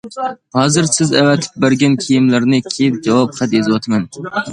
ھازىر سىز ئەۋەتىپ بەرگەن كىيىملەرنى كىيىپ، جاۋاب خەت يېزىۋاتىمەن.